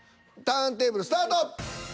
ターンテーブルスタート。